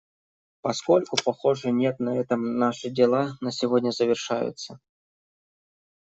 Поскольку, похоже, нет, на этом наши дела на сегодня завершаются.